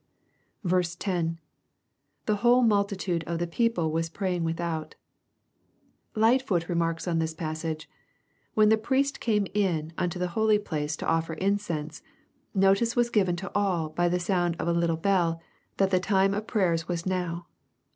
10. — [^e whole mvUUude of the people was praying wilhout] Light foot remarks on this passage :^* When the priest came in unto the holy place to offer incense, notice was given to all, by the sound of a little bell, that the time of prayers was now."